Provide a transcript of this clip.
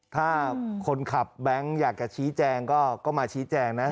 ถ้าคนขับแบงค์อยากจะชี้แจงก็มาชี้แจงนะ